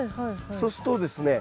そうするとですね